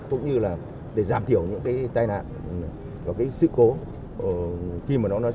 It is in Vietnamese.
cũng như là để giảm thiểu những cái tai nạn và cái sức cố